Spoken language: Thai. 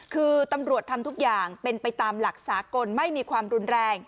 คือตำรวจทำทุกอย่างเป็นไปตามหลักสากลไม่มีความรุนแรง